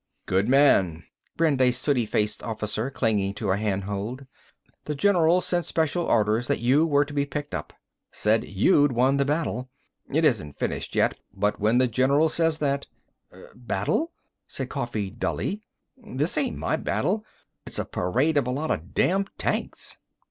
"Good man," grinned a sooty faced officer, clinging to a handhold. "The general sent special orders you were to be picked up. Said you'd won the battle. It isn't finished yet, but when the general says that—" "Battle?" said Coffee dully. "This ain't my battle. It's a parade of a lot of damn tanks!"